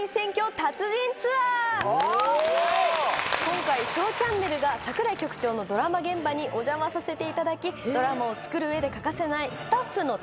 今回『ＳＨＯＷチャンネル』が櫻井局長のドラマ現場にお邪魔させていただきドラマを作る上で欠かせない。